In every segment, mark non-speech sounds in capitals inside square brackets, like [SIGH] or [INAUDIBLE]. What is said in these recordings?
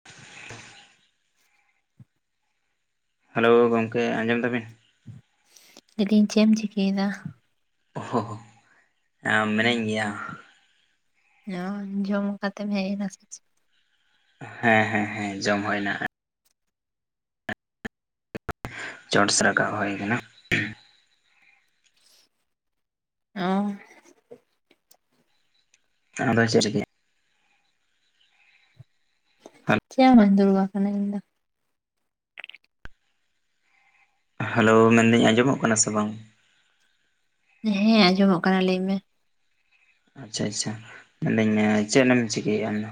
[INAUDIBLE] Hello ᱜᱚᱝᱠᱮ ᱟᱸᱡᱚᱢ ᱫᱟ ᱵᱤᱱ? ᱞᱟᱹᱭ ᱫᱤᱧ ᱪᱮᱫ ᱮᱢ ᱪᱤᱠᱟᱹᱭᱮᱫᱟ? ᱚᱦᱚᱦ ᱢᱤᱱᱟᱹᱧ ᱜᱮᱭᱟ ᱚ ᱡᱚᱢ ᱠᱟᱛᱮ ᱦᱮᱡ ᱮᱱᱟ ᱥᱮ ᱪᱮ? ᱦᱮᱸ ᱦᱮᱸ ᱦᱮᱸ ᱡᱚᱢ ᱦᱩᱭ ᱱᱟ ᱾ ᱪᱚᱴ ᱥᱮ ᱨᱟᱠᱟᱵ ᱦᱩᱭ ᱟᱠᱟᱱᱟ ᱾ ᱚ [UNINTELLIGIBLE] [UNINTELLIGIBLE] ᱦᱮᱞᱳ ᱢᱮᱱᱫᱟᱹᱧ ᱟᱸᱡᱚᱢᱚᱜ ᱠᱟᱱᱟ ᱥᱮ ᱵᱟᱝ? ᱦᱮᱸ ᱟᱸᱡᱚᱢᱚᱜ ᱠᱟᱱᱟ ᱞᱟᱹᱭ ᱢᱮ? ᱟᱪᱪᱷᱟ ᱟᱪᱪᱷᱟ ᱢᱮᱱᱫᱟᱹᱧ ᱪᱮᱫ ᱮᱢ ᱪᱤᱠᱟᱹᱭᱮᱫᱟ ᱟᱢ ᱫᱚ?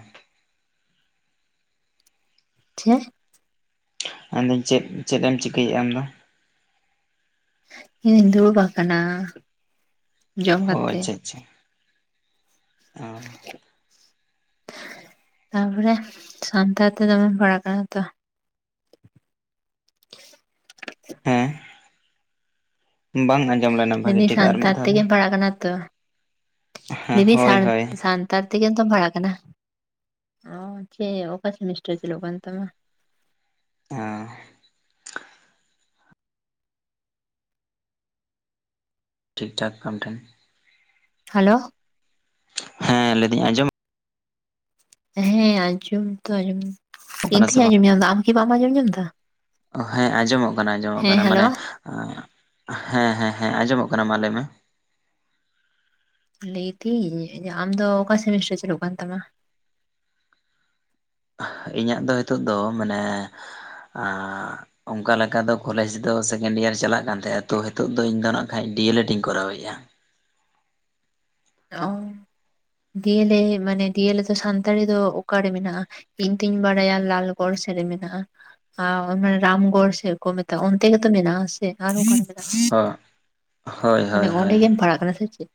[UNINTELLIGIBLE] ᱢᱮᱱ ᱫᱟᱹᱧ ᱪᱮᱫ ᱪᱮᱫ ᱮᱢ ᱪᱤᱠᱟᱭᱮᱟ ᱟᱢᱫᱚ? ᱤᱧ ᱫᱩᱧ ᱫᱩᱲᱩᱵ ᱟᱠᱟᱱᱟ᱾ ᱡᱚᱢ ᱚ ᱠᱟᱛᱮ᱾ ᱟᱪᱪᱷᱟ ᱟᱪᱪᱷᱟ ᱚ᱾ ᱛᱟᱯᱚᱨᱮ ᱥᱟᱱᱛᱟᱲ ᱛᱮ ᱫᱚᱢᱮᱢ ᱯᱟᱲᱟᱜ ᱠᱟᱱᱟ ᱛᱚ᱾ ᱦᱮᱸ ᱵᱟᱝ ᱟᱸᱡᱚᱢ ᱞᱮᱱᱟ ᱞᱮᱭ ᱵᱷᱟᱹᱜᱤ ᱫᱟᱹᱧ ᱴᱷᱤᱠ ᱟᱨ ᱢᱤᱫ ᱥᱟᱱᱛᱟᱲ ᱫᱷᱟᱣ ᱛᱮᱜᱮᱢ ᱞᱟᱹᱭ ᱯᱟᱲᱟᱜ ᱠᱟᱱᱟ ᱛᱚ? ᱦᱮᱸ ᱞᱮᱭ ᱫᱟᱹᱧ ᱦᱳᱭ ᱥᱟᱲ ᱦᱳᱭ ᱥᱟᱱ ᱛᱟᱨ ᱛᱮᱜᱮ ᱛᱚᱢ ᱵᱷᱟᱲᱟᱜ ᱠᱟᱱᱟ ᱚ ᱪᱮᱫ ᱚᱠᱟ ᱥᱮᱢᱤᱥᱴᱟᱨ ᱪᱟᱹᱞᱩᱜ ᱠᱟᱱ ᱛᱟᱢᱟ? ᱚ ᱴᱷᱤᱠ ᱴᱷᱟᱠ ᱟᱢ ᱴᱷᱮᱱ ᱦᱮᱞᱳ ᱦᱮᱸ ᱞᱮᱭᱫᱟᱹᱧ ᱟᱸᱡᱚᱢ ᱦᱮᱸ ᱟᱸᱡᱚᱢ ᱫᱚ ᱟᱸᱚᱢ ᱤᱧ ᱠᱟᱱᱟ ᱥᱮ ᱛᱚᱧ ᱵᱟᱝ ᱟᱸᱡᱚᱢ ᱧᱟᱢ ᱮᱫᱟ ᱟᱢ ᱠᱤ ᱵᱟᱢ ᱟᱸᱡᱚᱢ ᱧᱟᱢ ᱮᱫᱟ? ᱦᱮᱸ ᱟᱸᱡᱚᱢᱚᱜ ᱠᱟᱱᱟ ᱟᱸᱡᱚᱢᱚᱜ ᱦᱮᱸ ᱠᱟᱱᱟ ᱦᱮᱞᱳ ᱢᱟᱱᱮ ᱦᱮᱸ ᱦᱮᱸ ᱦᱮᱸ ᱟᱸᱡᱚᱢᱚᱜ ᱠᱟᱱᱟ ᱢᱟ ᱞᱮᱭ ᱢᱮ᱾ ᱞᱮᱭᱫᱤᱧ ᱟᱢᱫᱚ ᱚᱠᱟ ᱥᱮᱢᱤᱥᱴᱟᱨ ᱪᱟᱹᱞᱩᱜ ᱠᱟᱱ ᱛᱟᱢᱟ? ᱤᱧᱟᱹᱜ ᱫᱚ ᱱᱤᱛᱚᱜ ᱫᱚ ᱢᱟᱱᱮ, ᱟᱜ ᱚᱱᱠᱟ ᱞᱮᱠᱟ ᱫᱚ ᱠᱚᱞᱮᱡᱽ ᱫᱚ ᱥᱮᱠᱮᱱᱰ ᱤᱭᱟᱨ ᱪᱟᱞᱟᱜ ᱠᱟᱱᱛᱟᱦᱮᱼᱟ ᱛᱚ ᱱᱤᱛᱚᱜ ᱫᱚ ᱤᱧᱫᱚ ᱱᱟᱜ ᱠᱷᱟᱱ ᱰᱤ ᱮᱞ ᱮᱰ ᱤᱧ ᱠᱚᱨᱟᱣᱮᱫᱼᱟ᱾ ᱚ ᱰᱤᱭᱮᱞᱮ ᱢᱟᱱᱮ ᱰᱤᱭᱮᱞᱮ ᱫᱚ ᱥᱟᱱᱛᱟᱲᱤ ᱫᱚ ᱚᱠᱟᱨᱮ ᱢᱮᱱᱟᱜᱼᱟ? ᱤᱧ ᱛᱩᱧ ᱵᱟᱲᱟᱭᱟ ᱞᱟᱞᱜᱚᱲ ᱥᱮᱫ ᱨᱮ ᱢᱮᱱᱟᱜᱼᱟ᱾ ᱟ ᱢᱟᱱᱮ ᱨᱟᱢᱜᱚᱲ ᱥᱮᱫ ᱠᱚ ᱢᱮᱛᱟᱜᱼᱟ ᱚᱱᱛᱮ ᱜᱮᱛᱚ ᱢᱮᱱᱟᱜᱼᱟ ᱥᱮ᱾ ᱦᱚᱸ ᱦᱳᱭ [INAUDIBLE] ᱢᱟᱱᱮ ᱦᱳᱭ ᱚᱸᱰᱮ ᱦᱳᱭ ᱜᱮᱢ ᱯᱟᱲᱟᱜ ᱠᱟᱱᱟ ᱥᱮ ᱪᱮᱫ?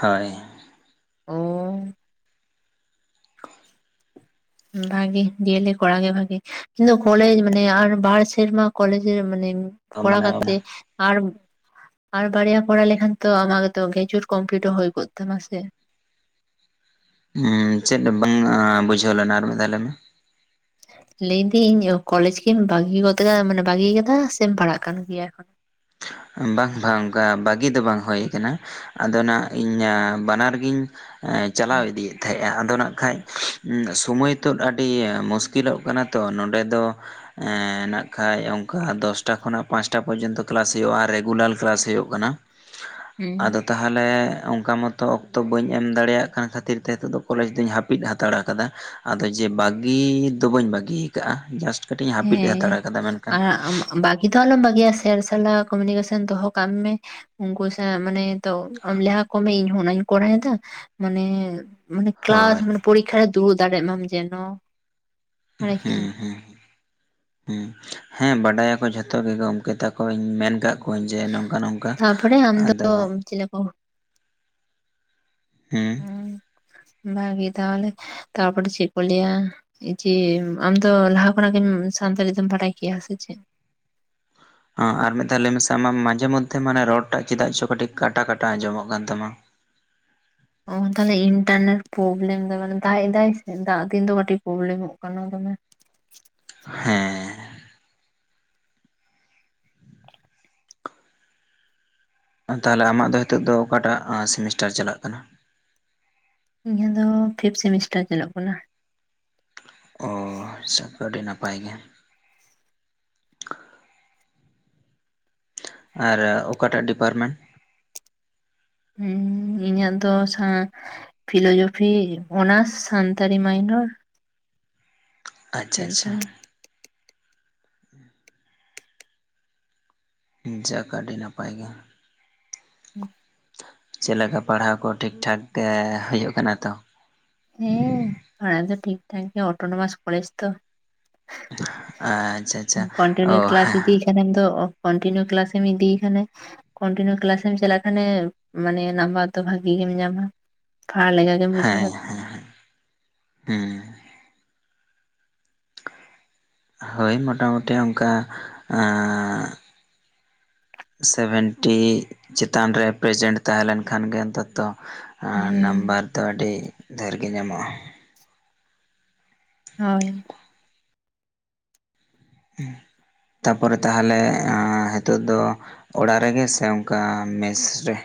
ᱦᱳᱭ ᱚ ᱵᱷᱟᱜᱮ ᱰᱤᱭᱮᱞᱮ ᱠᱚᱲᱟ ᱜᱮ ᱵᱷᱟᱜᱮ᱾ ᱤᱧ ᱫᱚ ᱠᱚᱞᱮᱡᱽ ᱢᱟᱱᱮ ᱟᱨ ᱵᱟᱨ ᱥᱮᱨᱢᱟ ᱠᱚᱞᱡᱽ ᱨᱮ ᱢᱟᱱᱮ ᱠᱚᱲᱟ ᱢᱟᱱᱮ ᱠᱟᱛᱮ, ᱟᱨ ᱟᱨ ᱵᱟᱨᱭᱟ ᱠᱚᱨᱟᱣ ᱞᱮᱠᱷᱟᱱ ᱛᱚ ᱟᱢᱟᱜ ᱜᱮ ᱛᱚ ᱜᱨᱡᱩᱮᱴ ᱠᱚᱢᱯᱞᱤᱴ ᱦᱚᱸ ᱦᱩᱭ ᱠᱚᱛᱟᱢᱟ ᱥᱮ᱾ ᱦᱩᱸ ᱪᱮᱫ ᱵᱟᱝ ᱵᱩᱡᱷᱟᱹᱣ ᱞᱮᱱᱟ ᱟᱨ ᱢᱤᱫ ᱫᱷᱟᱣ ᱞᱮᱭ ᱢᱮ ᱞᱮᱭ ᱫᱟᱹᱧ ᱤᱧ ᱠᱚᱞᱮᱡᱽ ᱠᱤᱢ ᱵᱟᱹᱜᱤ ᱠᱚᱫᱟ ᱢᱟᱱᱮ ᱵᱟᱹᱜᱤᱭᱟ ᱠᱟᱫᱟ ᱥᱮᱢ ᱯᱟᱲᱦᱟᱜ ᱠᱟᱱ ᱜᱮᱭᱟ ᱮᱠᱷᱚᱱ? ᱵᱟᱝ ᱵᱟᱝ ᱚᱱᱠᱟ ᱵᱷᱟᱹᱜᱤ ᱫᱚ ᱵᱟᱝ ᱦᱩᱭ ᱟ ᱠᱟᱱᱟ᱾ ᱟᱫᱚ ᱚᱱᱟ ᱤᱧᱟᱜ ᱵᱟᱱᱟᱨ ᱜᱤᱧ, ᱪᱟᱞᱟᱣ ᱤᱫᱤᱭᱮᱫ ᱛᱟᱦᱮᱸᱜᱼᱟ ᱟᱫᱚ ᱱᱟᱜ ᱠᱷᱟᱱᱡ ᱥᱚᱢᱚᱭ ᱱᱤᱛ ᱟᱹᱰᱤ ᱢᱩᱥᱠᱤᱞᱚᱜ ᱠᱟᱱᱟ ᱛᱚ ᱱᱚᱰᱮ ᱫᱚ ᱮ ᱱᱟᱜ ᱠᱷᱟᱱᱡ ᱚᱱᱠᱟ ᱫᱚᱥᱴᱟ ᱠᱷᱚᱱᱟᱜ ᱯᱟᱸᱪᱴᱟ ᱯᱚᱨᱡᱚᱱᱛᱚ ᱠᱞᱟᱥ ᱦᱩᱭᱩᱜᱼᱟ ᱨᱮᱜᱩᱞᱟᱨ ᱠᱞᱟᱥ ᱦᱩᱭᱩᱜ ᱦᱩᱸ ᱠᱟᱱᱟ᱾ᱟᱫ ᱛᱟᱦᱟᱞᱮ ᱚᱱᱠᱟ ᱢᱚᱛᱚ ᱚᱠᱛᱚ ᱵᱟᱹᱧ ᱮᱢ ᱫᱟᱲᱮᱭᱟᱜ ᱠᱟᱱ ᱠᱷᱟᱹᱛᱤᱨ ᱛᱮ ᱱᱤᱛᱚᱜ ᱫᱚ ᱠᱚᱞᱮᱡᱽ ᱫᱚᱧ ᱦᱟᱹᱯᱤᱫ ᱦᱟᱛᱟᱲ ᱟᱠᱟᱫᱟ᱾ ᱟᱫᱚ ᱡᱮ ᱵᱟᱹᱜᱤ ᱫᱚ ᱵᱟᱹᱧ ᱵᱟᱹᱜᱤᱭᱟ ᱟᱠᱟᱜᱼᱟ ᱡᱟᱥᱴ᱾ ᱠᱟᱹᱴᱤᱡ ᱤᱧ ᱦᱟᱹᱯᱤᱫ ᱦᱟᱛᱟᱲ ᱠᱟᱫᱟ ᱢᱮᱱᱠᱷᱟᱱ᱾ ᱦᱤᱛ ᱦᱚ ᱟᱞᱚᱢ ᱵᱟᱹᱜᱤᱭᱟ ᱥᱮᱨ ᱥᱟᱞᱟᱜ ᱠᱚᱢᱤᱱᱤᱠᱮᱥᱚᱱ ᱫᱚᱦᱚ ᱠᱟᱜ ᱢᱮ᱾ ᱩᱱᱠᱩ ᱥᱟᱶ ᱢᱟᱱᱮ ᱛᱚ ᱟᱢ ᱞᱮᱦᱟ ᱠᱚᱢᱮ ᱤᱧᱦᱚ ᱚᱱᱟᱧ ᱠᱚᱨᱟᱣᱮᱫᱟ ᱢᱟᱱᱮ ᱢᱟᱱᱮ ᱠᱮᱞᱟᱥ ᱦᱳᱭ ᱢᱟᱱᱮ ᱯᱚᱨᱤᱠᱠᱷᱟ ᱨᱮ ᱫᱩᱲᱩᱵ ᱫᱟᱲᱮᱜ ᱢᱟᱢ ᱡᱮᱱᱚ᱾ ᱫᱟᱲᱮ ᱦᱮᱸ ᱠᱮᱜᱼᱟᱢ ᱦᱮᱸ ᱦᱮᱸ ᱦᱮᱸ ᱵᱟᱰᱟᱭᱟᱠᱚ ᱡᱷᱚᱛᱚ ᱜᱮ ᱜᱚᱢᱠᱮ ᱛᱟᱠᱚᱧ ᱢᱮᱱ ᱠᱟᱜ ᱠᱚ ᱚᱣᱧ ᱡᱮ ᱱᱚᱝᱠᱟ ᱱᱚᱝᱠᱟ ᱛᱟᱯᱚᱨᱮ ᱟᱢ ᱟᱫᱚ ᱫᱚ ᱪᱮᱞᱮ ᱠᱚ? ᱦᱮᱸ ᱦᱮᱸ ᱵᱷᱟᱹᱜᱤ ᱛᱟᱦᱚᱞᱮ ᱛᱟᱨᱯᱚᱨ ᱪᱮᱜ ᱠᱚ ᱞᱟᱹᱭᱟ᱾ ᱡᱮ ᱟᱢ ᱫᱚ ᱞᱟᱦᱟ ᱠᱷᱚᱱᱟᱜ ᱜᱮᱢ ᱥᱟᱱᱛᱟᱲᱤ ᱛᱮᱢ ᱵᱟᱲᱟᱭ ᱠᱮᱭᱟ ᱥᱮ ᱪᱮᱫ? ᱟᱜ ᱟᱨ ᱢᱤᱫ ᱫᱷᱟᱣ ᱞᱟᱹᱭ ᱢᱮᱥᱮ ᱟᱢᱟᱜ ᱢᱟᱡᱷᱮ ᱢᱚᱫᱽᱫᱷᱮ ᱢᱟᱱᱮ ᱨᱚᱲ ᱴᱟᱜ ᱪᱮᱫᱟᱜ ᱪᱚ ᱠᱟᱹᱴᱤᱡ ᱠᱟᱴᱟ ᱠᱟᱴᱟ ᱟᱸᱡᱚᱢᱚᱜ ᱠᱟᱱ ᱛᱟᱢᱟ᱾ ᱚᱝᱠᱟ ᱫᱚ ᱤᱱᱴᱟᱨ ᱱᱮᱴ ᱯᱨᱚᱵᱞᱮᱢ ᱫᱟᱭ ᱢᱟᱱᱮ ᱫᱟᱜ ᱫᱟᱭ ᱥᱮ ᱫᱟᱜ ᱫᱤᱱ ᱫᱚ ᱠᱟᱹᱴᱤᱡ ᱯᱨᱚᱵᱞᱮᱢ-ᱚᱜ ᱠᱟᱱᱟ ᱫᱚᱢᱮ᱾ ᱦᱮᱸ, ᱛᱟᱦᱚᱞᱮ ᱟᱢᱟᱜ ᱫᱚ ᱱᱤᱛᱚᱜ ᱫᱚ ᱚᱠᱟᱴᱟᱜ ᱥᱮᱢᱤᱥᱴᱟᱨ ᱪᱟᱞᱟᱜ ᱠᱟᱱᱟ? ᱤᱧᱟᱹᱜ ᱫᱚ ᱯᱷᱤᱯ ᱥᱮᱢᱤᱥᱴᱟᱨ ᱪᱟᱞᱚᱜ ᱠᱟᱱᱟ᱾ ᱚᱻ ᱥᱟᱵ ᱫᱚ ᱟᱹᱰᱤ ᱱᱟᱯᱟᱭ ᱜᱮ᱾ ᱟᱨ ᱚᱠᱟ ᱴᱟᱜ ᱰᱤᱯᱟᱨᱢᱮᱱᱴ? ᱦᱩᱸ ᱤᱧᱟᱹᱜ ᱫᱚ ᱥᱟ- ᱯᱷᱤᱞᱳᱡᱚᱯᱷᱤ ᱚᱱᱟᱨᱥ ᱥᱟᱱᱛᱟᱲᱤ ᱢᱟᱭᱱᱚᱨ᱾ ᱟᱪᱪᱷᱟ ᱟᱪᱪᱷᱟ, ᱢᱮᱱᱛᱤᱧ [INAUDIBLE] ᱡᱟᱜ ᱟᱹᱰᱤ ᱱᱟᱯᱟᱭ ᱜᱮᱭᱟᱢ᱾ ᱦᱩᱸ ᱪᱮᱫ ᱞᱮᱠᱟ ᱯᱟᱲᱦᱟᱣ ᱠᱚ ᱴᱷᱤᱠ-ᱴᱷᱟᱠ ᱛᱮ ᱦᱩᱭᱩᱜ ᱠᱟᱱᱟ ᱛᱚ? ᱦᱮᱸ ᱯᱟᱲᱟᱭ ᱛᱚ ᱴᱷᱤᱠ ᱴᱷᱟᱠ ᱜᱮ ᱚᱴᱳᱱᱳᱢᱟᱥ ᱠᱚᱞᱮᱡᱽ ᱛᱚ᱾ ᱟᱪᱪᱷᱟ ᱟᱪᱪᱷᱟ ᱚ ᱠᱚᱱᱴᱤᱱᱤᱭᱩ ᱠᱮᱞᱟᱥ ᱦᱮᱸ ᱤᱫᱤ ᱮᱢᱮᱢ ᱫᱚ ᱠᱚᱱᱴᱤᱱᱤᱭᱩ ᱠᱮᱞᱟᱥ ᱮᱢ ᱤᱫᱤ ᱠᱷᱟᱱᱮᱢ ᱠᱚᱱᱴᱤᱱᱤᱭᱩ ᱠᱮᱞᱟᱥ ᱮᱢ ᱪᱟᱞᱟᱜ ᱠᱷᱟᱱᱮ ᱢᱟᱱᱮ ᱱᱟᱢᱵᱟᱨ ᱫᱚ ᱵᱷᱟᱜᱤ ᱜᱮᱢ ᱧᱟᱢᱟ᱾ ᱠᱷᱟ ᱟᱞᱜᱟ ᱜᱮᱢ ᱵᱩᱡᱷᱟᱹᱣᱟ᱾ ᱦᱩᱸ ᱦᱳᱭ ᱢᱚᱴᱟᱢᱩᱴᱤ ᱚᱱᱠᱟ ᱟᱹᱜᱻ ᱥᱮᱵᱷᱮᱱᱴᱤ ᱪᱮᱛᱟᱱ ᱨᱮ ᱯᱨᱮᱡᱮᱱᱴ ᱛᱟᱦᱮᱸ ᱞᱮᱱᱠᱷᱟᱱ ᱜᱮ ᱚᱱ ᱛᱚᱛᱚ ᱟ ᱦᱮᱸ ᱱᱟᱢᱵᱟᱨ ᱫᱚ ᱟᱹᱰᱤ ᱰᱷᱮᱨ ᱜᱮ ᱧᱟᱢᱚᱜ-ᱟ᱾ ᱦᱳᱭ, ᱦᱩᱸ, ᱛᱟᱯᱚᱨᱮ ᱛᱟᱦᱚᱞᱮ ᱱᱤᱛᱚᱜ ᱫᱚ ᱚᱲᱟᱜ ᱨᱮᱜᱮ ᱥᱮ ᱚᱱᱠᱟ ᱢᱮᱥ ᱨᱮ?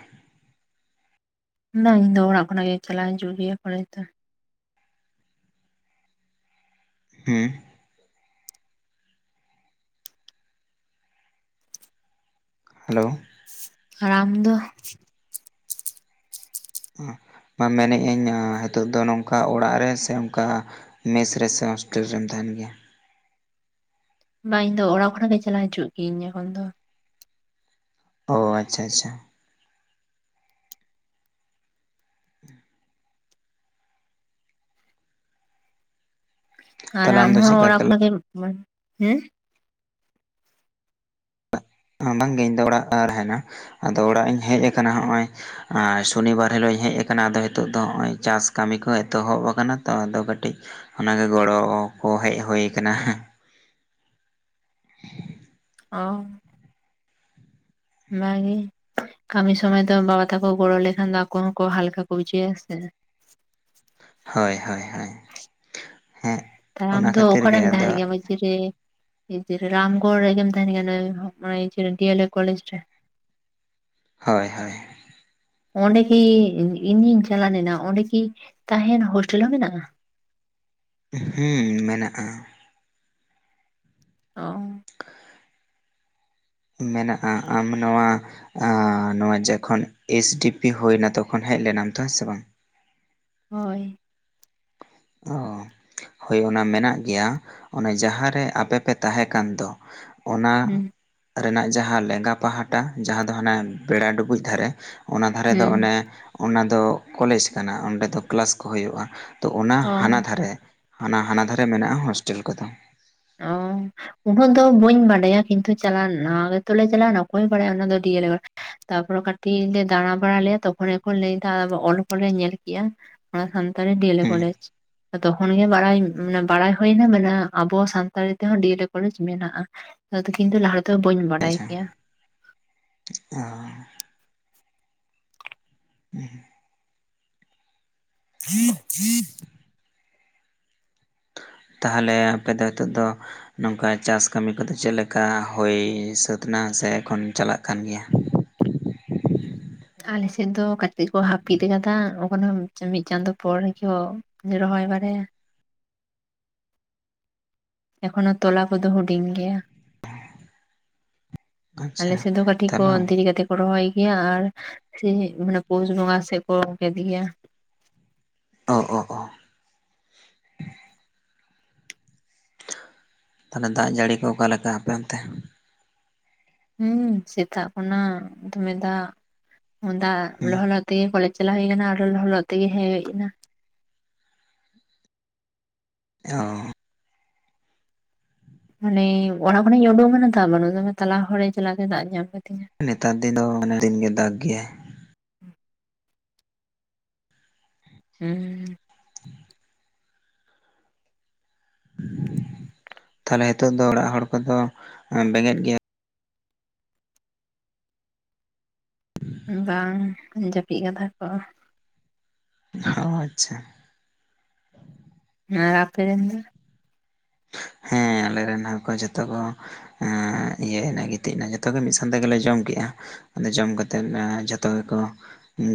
ᱚᱱᱟ ᱤᱧ ᱫᱚ ᱚᱲᱟᱜ ᱠᱷᱚᱱᱟᱜ ᱜᱮᱧ ᱮᱠᱞᱟ ᱦᱤᱡᱩᱜ ᱜᱮᱭᱟ ᱠᱚᱞᱮᱡᱽ ᱫᱚ᱾ ᱦᱩᱸ, ᱦᱮᱞᱳ, ᱟᱨ ᱟᱢ ᱫᱚ? ᱢᱟ ᱢᱮᱱᱮ ᱟᱹᱧ ᱱᱤᱛᱚᱜ ᱫᱚ ᱱᱚᱝᱠᱟ ᱚᱲᱟᱜ ᱨᱮ ᱥᱮ ᱚᱱᱝᱠᱟ ᱢᱮᱥ ᱨᱮ ᱥᱮ ᱦᱳᱥᱴᱮᱞ ᱨᱮᱢ ᱛᱟᱦᱮᱱ ᱜᱮᱭᱟ? ᱵᱟᱝ ᱤᱧ ᱫᱚ ᱚᱲᱟᱜ ᱠᱷᱚᱱᱟᱜ ᱜᱮ ᱪᱟᱞᱟ ᱦᱤᱡᱩᱜ ᱜᱤᱭᱟᱹᱧ ᱮᱠᱷᱚᱱ ᱫᱚ᱾ ᱳ ᱟᱪᱪᱷᱟ ᱟᱪᱪᱷᱟ, ᱟᱨ ᱛᱟᱦᱚᱞᱮ ᱟᱢ ᱫᱚ ᱦᱚᱸ ᱪᱮᱫᱠᱟ ᱚᱲᱟᱜ ᱠᱞᱟᱥ ᱠᱷᱚᱱᱟᱱ ᱜᱮᱢ [UNINTELLIGIBLE] ᱦᱮᱸ ᱵᱟᱝᱜᱮ ᱤᱧ ᱫᱚ ᱚᱲᱟᱜ ᱨᱟᱦᱮᱱᱟ ᱟᱫᱚ ᱚᱲᱟᱜ ᱤᱧ ᱦᱮᱡ ᱟᱠᱟᱱᱟ ᱦᱚᱜ-ᱚᱭ᱾ ᱟᱨ ᱥᱚᱱᱤᱵᱟᱨ ᱦᱤᱞᱳᱜ ᱤᱧ ᱦᱮᱡ ᱟᱠᱟᱱᱟ ᱟᱫᱚ ᱱᱤᱛᱚᱜ ᱫᱚ ᱱᱚᱜ-ᱚᱭ ᱪᱟᱥ ᱠᱟᱹᱢᱤ ᱠᱚᱦᱚᱸ ᱮᱛᱚᱦᱚᱵ ᱟᱠᱟᱱᱟ ᱛᱚ, ᱟᱫᱚ ᱠᱟᱹᱴᱤᱡ ᱚᱱᱟ ᱜᱮ ᱜᱚᱲᱚ ᱠᱚ ᱦᱮᱡ ᱦᱳᱭ ᱠᱟᱱᱟ᱾ ᱚᱻ ᱚᱱᱟ ᱜᱮ ᱠᱟᱹᱢᱤ ᱥᱚᱢᱚᱭ ᱫᱚ ᱵᱟᱵᱟ ᱛᱟᱠᱚ ᱜᱚᱲᱚ ᱞᱮᱠᱷᱟᱱ ᱫᱚ ᱟᱠᱚ ᱦᱚᱸᱠᱚ ᱦᱟᱞᱠᱟ ᱠᱚ ᱵᱩᱡᱷᱟᱹᱭᱟ ᱟᱥᱮ᱾ ᱦᱳᱭ ᱦᱳᱭ ᱦᱳᱭ ᱦᱮᱸ, ᱛᱟᱦᱚᱞᱮ ᱟᱢ ᱚᱱᱟ ᱫᱚ ᱚᱠᱟ ᱠᱷᱟᱹᱛᱤᱨ ᱜᱮ ᱨᱮᱢ ᱟᱫᱚ ᱛᱟᱦᱮᱸᱱ ᱜᱮᱭᱟ [UNINTELLIGIBLE] ᱨᱮ ᱨᱟᱢᱜᱚᱲ ᱨᱮᱜᱮᱢ ᱛᱟᱦᱮᱸᱱ ᱠᱟᱱᱟ ᱦᱚᱜ-ᱚᱭ ᱡᱮ ᱰᱤᱭᱮᱞᱮᱴ ᱠᱚᱞᱮᱡᱽ ᱨᱮ᱾ ᱦᱚᱭ ᱦᱚᱭ᱾ ᱚᱸᱰᱮ ᱜᱮ ᱤᱧ ᱤᱧᱤᱧ ᱪᱟᱞᱟᱣ ᱞᱮᱱᱟ ᱚᱸᱰᱮ ᱠᱤ ᱛᱟᱦᱮᱸᱱ ᱦᱳᱥᱴᱮᱞ ᱦᱚᱸ ᱢᱮᱱᱟᱜ-ᱟ? ᱦᱩᱸ ᱢᱮᱱᱟᱜ-ᱟ᱾ ᱚ᱾ [INAUDIBLE] ᱢᱮᱱᱟᱜ-ᱟ ᱟᱢ ᱱᱚᱣᱟ ᱟᱻ ᱱᱚᱣᱟ ᱡᱚᱠᱷᱚᱱ ᱮᱥ ᱰᱤᱯᱤ ᱦᱩᱭᱱᱟ ᱛᱚᱠᱷᱚᱱ ᱦᱮᱡ ᱞᱮᱱᱟᱢ ᱛᱚ ᱦᱮᱸ ᱥᱮ ᱵᱟᱝ? ᱦᱳᱭ᱾ ᱚᱻ᱾ ᱦᱳᱭ ᱚᱱᱟ ᱢᱮᱱᱟᱜ ᱜᱮᱭᱟ, ᱚᱱᱮ ᱡᱟᱦᱟᱸᱨᱮ ᱟᱯᱮ ᱯᱮ ᱛᱟᱦᱮᱸ ᱠᱟᱱ ᱫᱚ ᱚᱱᱟ ᱦᱩᱸ ᱨᱮᱱᱟᱜ ᱡᱟᱦᱟᱸ ᱞᱮᱸᱜᱟ ᱯᱟᱦᱴᱟ ᱡᱟᱦᱟᱸ ᱫᱚ ᱦᱟᱱᱮ ᱵᱮᱲᱟ ᱰᱩᱵᱩᱡ ᱫᱷᱟᱨᱮ᱾ ᱚᱱᱟ ᱫᱷᱟᱨᱮ ᱫᱚ ᱦᱩᱸ ᱚᱱᱮ, ᱚᱱᱟ ᱫᱚ ᱠᱚᱞᱮᱡᱽ ᱠᱟᱱᱟ ᱚᱸᱰᱮ ᱫᱚ ᱠᱮᱞᱟᱥ ᱠᱚ ᱦᱩᱭᱩᱜ-ᱟ ᱛᱚ ᱚᱱᱟ ᱚ ᱦᱟᱱᱟ ᱫᱷᱟᱨᱮ ᱦᱟᱱᱟ ᱦᱟᱱᱟ ᱫᱷᱟᱨᱮ ᱢᱮᱱᱟᱜ-ᱟ ᱦᱳᱥᱴᱮᱞ ᱠᱚᱫᱚ᱾ ᱚᱻ᱾ ᱩᱱᱟᱹᱜ ᱫᱚ ᱵᱟᱹᱧ ᱵᱟᱰᱟᱭᱟ ᱠᱤᱱᱛᱩ ᱪᱟᱞᱟᱣ ᱱᱟᱣᱟ ᱜᱮ ᱛᱚ ᱞᱮ ᱪᱟᱞᱟᱣ ᱱᱟ, ᱚᱠᱚᱭᱮ ᱵᱟᱲᱟᱭᱟ ᱚᱱᱟ ᱫᱚ ᱰᱤᱭᱮᱞᱮᱴ ᱛᱟᱯᱚᱨᱮ ᱠᱟᱹᱴᱤᱡ ᱞᱮ ᱫᱟᱬᱟ ᱵᱟᱲᱟ ᱞᱮᱭᱟ ᱛᱚᱠᱷᱚᱱ ᱜᱮᱠᱚ ᱞᱟᱹᱭ ᱫᱟ ᱚᱞ ᱠᱚ ᱞᱮ ᱧᱮᱞ ᱠᱮᱜ-ᱟ᱾ ᱚᱱᱟ ᱥᱟᱱᱛᱟᱞᱤ ᱰᱤᱭᱮᱞᱮ ᱦᱩᱸ ᱠᱚᱞᱮᱡᱽ ᱛᱚᱠᱷᱚᱱ ᱜᱮ ᱵᱟᱲᱟᱭ ᱵᱟᱲᱟᱭ ᱦᱩᱭᱱᱟ ᱢᱟᱱᱮ ᱟᱵᱚ ᱥᱟᱱ ᱥᱟᱱᱛᱟᱲᱤ ᱛᱮᱦᱚᱸ ᱰᱤ ᱮ ᱞᱮ ᱠᱚᱞᱮᱡᱽ ᱢᱮᱱᱟᱜ-ᱟ ᱱᱚᱣᱟ ᱫᱚ ᱠᱤᱱᱛᱩ ᱞᱟᱦᱟ ᱨᱮ ᱫᱚ ᱵᱟᱹᱧ ᱵᱟᱰᱟᱭ ᱠᱮᱭᱟ᱾ ᱚᱻ᱾ [UNINTELLIGIBLE] [INAUDIBLE] ᱛᱟᱦᱚᱸᱞᱮ ᱟᱯᱮ ᱫᱚ ᱦᱤᱛᱚᱜ ᱫᱚ ᱱᱚᱝᱠᱟ ᱪᱟᱥ ᱠᱟᱹᱢᱤ ᱠᱚᱫᱚ ᱪᱮᱫ ᱞᱮᱠᱟ ᱦᱩᱭ ᱥᱟᱹᱛ ᱮᱱᱟ ᱥᱮ ᱮᱠᱷᱚᱱ ᱪᱟᱞᱟᱜ ᱠᱟᱱ ᱜᱮᱭᱟ? ᱟᱞᱮ ᱥᱮᱫ ᱫᱚ ᱠᱟᱹᱴᱤᱡ ᱠᱚ ᱦᱟᱹᱯᱤᱫ ᱟᱠᱟᱫᱟ, ᱮᱠᱷᱚᱱᱚ ᱢᱤᱫ ᱪᱟᱸᱫᱳ ᱯᱚᱨ ᱦᱚᱸᱠᱚ ᱨᱚᱦᱚᱭ ᱵᱟᱲᱟᱭᱟ᱾ ᱮᱠᱷᱚᱱᱚ ᱛᱚᱞᱟ ᱠᱚᱫᱚ ᱦᱩᱰᱤᱧ ᱜᱮᱭᱟ᱾ ᱟᱞᱮ ᱟᱪᱪᱷᱟ ᱥᱮᱫᱚ ᱠᱟᱹᱴᱤᱡ ᱠᱚ ᱛᱟᱦᱚᱞᱮ ᱫᱤᱨᱤ ᱠᱟᱛᱮ ᱨᱚᱦᱚᱭ ᱜᱮᱭᱟ ᱟᱨ, ᱥᱮ ᱢᱟᱱᱮ ᱯᱩᱥ ᱵᱚᱸᱜᱟ ᱥᱮᱫ ᱠᱚ ᱜᱮᱫ ᱜᱮᱭᱟ᱾ ᱚ-ᱚ-ᱚ᱾ ᱛᱟᱦᱚᱸᱞᱮ ᱫᱟᱜ ᱡᱟᱹᱲᱤ ᱠᱚ ᱚᱠᱟᱞᱮᱠᱟ ᱟᱯᱮ ᱚᱱᱛᱮ? ᱦᱩᱸ ᱥᱮᱛᱟᱜ ᱠᱷᱚᱱᱟᱜ ᱫᱚᱢᱮ ᱫᱟᱜ, ᱫᱟᱜ ᱦᱩᱸ ᱞᱚᱦᱚᱫ ᱛᱮ ᱠᱚᱞᱮᱡᱽ ᱪᱟᱞᱟᱣ ᱦᱩᱭ ᱞᱮᱱᱟ ᱟᱨ ᱞᱚᱦᱚ ᱞᱚᱦᱚᱫ ᱛᱮ ᱜᱮ ᱦᱮᱡ ᱦᱩᱭ ᱱᱟ᱾ ᱦᱚᱸ ᱢᱟᱱᱮ ᱚᱲᱟᱜ ᱠᱷᱚᱱᱤᱧ ᱩᱰᱩᱝ ᱮᱱᱟ ᱫᱟᱜ ᱵᱟᱹᱱᱩᱜ ᱟᱠᱟᱫᱟ ᱛᱟᱞᱟ ᱦᱚᱨ ᱨᱮ ᱪᱟᱞᱟᱣ ᱠᱟᱛᱮ ᱛᱮ ᱫᱟᱜ ᱧᱟᱢ ᱠᱟᱹᱫᱤᱧᱟ᱾ ᱱᱮᱛᱟᱨ ᱫᱤᱱ ᱫᱚ ᱢᱟᱱᱮ ᱫᱤᱱ ᱜᱮ ᱫᱟᱜᱽ ᱜᱮᱭᱟᱭ᱾ ᱦᱩᱸᱻ᱾ [INAUDIBLE] ᱛᱟᱦᱚᱸᱞᱮ ᱦᱤᱛᱳᱜ ᱫᱚ ᱚᱲᱟᱜ ᱦᱚᱲ ᱠᱚᱫᱚ ᱵᱮᱸᱜᱮᱫ ᱜᱮᱭᱟ ᱵᱟᱝ ᱡᱟᱹᱯᱤᱫ ᱠᱟᱫᱟ ᱠᱚ᱾ ᱚ ᱟᱪᱪᱷᱟ᱾ ᱟᱨ ᱟᱯᱮ ᱨᱮᱱ ᱫᱚ? ᱦᱮᱸ ᱟᱞᱮ ᱨᱮᱱ ᱦᱚᱸᱠᱚ ᱡᱚᱛᱚ ᱠᱚ ᱮ ᱤᱭᱟᱹᱭᱱᱟ ᱜᱤᱛᱤᱡ ᱮᱱᱟ ᱡᱚᱛᱚᱜᱮ ᱢᱤᱫ ᱥᱟᱶ ᱛᱮ ᱜᱮᱞᱮ ᱡᱚᱢ ᱠᱮᱜ-ᱟ᱾ ᱟᱫᱚ ᱡᱚᱢ ᱠᱟᱛᱮᱫ ᱟ ᱡᱚᱛᱚ ᱜᱮᱠᱚ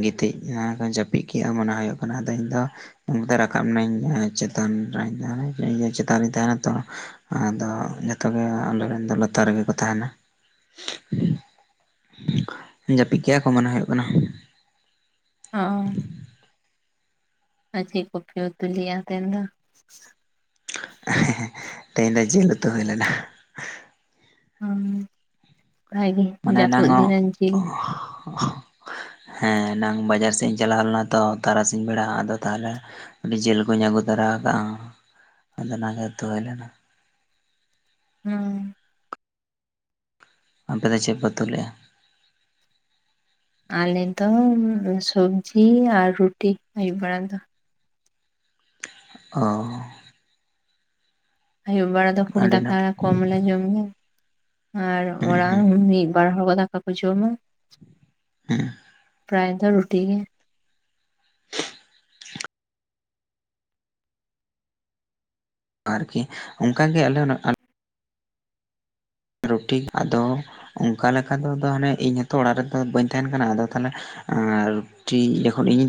ᱜᱤᱛᱤᱡ ᱮᱱᱟ ᱡᱟᱹᱯᱤᱫ ᱠᱮᱜ-ᱟ ᱢᱚᱱᱮ ᱦᱩᱭᱩᱜ ᱠᱟᱱᱟ ᱟᱫᱚ ᱤᱧ ᱫᱚ ᱚᱱᱛᱮ ᱨᱟᱠᱟᱵ ᱱᱟᱹᱧ ᱪᱮᱛᱟᱱ ᱨᱮ ᱤᱧ ᱫᱚ ᱪᱤᱛ ᱪᱮᱛᱟᱱ ᱨᱮᱧ ᱛᱟᱦᱮᱱᱟ ᱛᱚ ᱟᱫᱚ ᱡᱚᱛᱚ ᱜᱮ ᱟᱞᱮ ᱨᱮᱱ ᱫᱚ ᱞᱟᱛᱟᱨ ᱨᱮᱜᱮ ᱠᱚ ᱛᱟᱦᱮᱱᱟ᱾ [INAUDIBLE] ᱡᱟᱹᱯᱤᱜ ᱠᱮᱜᱟ ᱠᱚ ᱢᱚᱱᱮ ᱦᱩᱭᱩᱜ ᱠᱟᱱᱟ᱾ ᱚ ᱟᱨ ᱪᱮᱫ ᱠᱚᱯᱮ ᱩᱛᱩ ᱞᱮᱜ-ᱟ ᱛᱮᱦᱮᱧ ᱫᱚ? ᱮ‌ ᱦᱮ ᱛᱮᱦᱮᱧ ᱫᱚ ᱡᱤᱞ ᱩᱛᱩ ᱦᱩᱭ ᱞᱮᱱᱟ᱾ ᱚ ᱵᱷᱟᱜᱤ ᱢᱟᱱᱮ ᱡᱟᱯᱩᱫ ᱮᱱᱟᱝ ᱫᱤᱱ ᱨᱮ ᱡᱤᱞ ᱦᱚᱸ ᱦᱮᱸ ᱮᱱᱟᱝ ᱵᱟᱡᱟᱨ ᱥᱮᱱ ᱤᱧ ᱪᱟᱞᱟᱣ ᱞᱮᱱᱟ ᱛᱚ ᱛᱟᱨᱟᱥᱤᱧ ᱵᱮᱲᱟ ᱟᱫᱚ ᱛᱟᱦᱚᱞᱮ ᱟᱰᱤ ᱡᱤᱞ ᱠᱩᱧ ᱟᱹᱜᱩ ᱛᱚᱨᱟ ᱟᱠᱟᱜᱼᱟ ᱟᱫᱚ ᱚᱱᱟᱜᱮ ᱩᱛᱩ ᱦᱩᱭ ᱞᱮᱱᱟ᱾ ᱦᱩᱸ ᱟᱯᱮᱫᱚ ᱪᱮᱫ ᱯᱮ ᱩᱛᱩᱞᱮᱜᱼᱟ? ᱟᱞᱮᱫᱚ ᱥᱩᱵᱡᱤ ᱟᱨ ᱨᱩᱴᱤ ᱟᱹᱭᱩᱵ ᱵᱮᱲᱟ ᱫᱚ᱾ ᱚ ᱟᱭᱩᱵ ᱵᱮᱲᱟ ᱫᱚ ᱠᱷᱩᱵ ᱟᱹᱰᱤ ᱫᱟᱠᱟ ᱱᱟᱯ ᱫᱚ ᱠᱚᱢ ᱞᱮ ᱡᱚᱢ ᱜᱮᱭᱟ ᱟᱨ ᱦᱩᱸ ᱚᱲᱟᱜ ᱦᱩᱸ ᱢᱤᱫ ᱵᱟᱨ ᱦᱚᱲ ᱜᱟ ᱫᱟᱠᱟ ᱠᱚ ᱡᱚᱢᱟ᱾ ᱦᱮᱸ ᱯᱮᱨᱟᱭ ᱫᱚ ᱨᱩᱴᱤ ᱜᱮ ᱟᱨᱠᱤ ᱚᱱᱠᱟᱜᱮ ᱟᱞᱮ ᱦᱚ ᱨᱩᱴᱤ ᱟᱫᱚ ᱚᱱᱠᱟ ᱞᱮᱠᱟ ᱫᱚ ᱫᱚ ᱦᱟᱱᱮ ᱤᱧ ᱦᱚᱛᱚ ᱚᱲᱟᱜ ᱨᱮᱫᱚ ᱵᱟᱹᱧ ᱛᱟᱦᱮᱱ ᱠᱟᱱᱟ ᱟᱫᱚ ᱛᱟᱦᱚᱞᱮ ᱟᱨ ᱨᱩᱴᱤ ᱡᱚᱠᱷᱚᱱ ᱤᱧ ᱤᱧ ᱛᱟᱦᱮᱸᱱᱟ